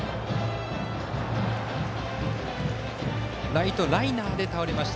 ライトライナーで倒れました。